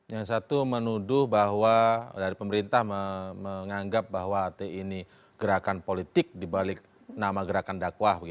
yang satu menuduh bahwa dari pemerintah menganggap bahwa hti ini gerakan politik dibalik nama gerakan dakwah